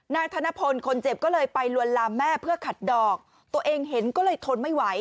ธนพลคนเจ็บก็เลยไปลวนลามแม่เพื่อขัดดอกตัวเองเห็นก็เลยทนไม่ไหว